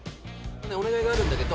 お願いがあるんだけど。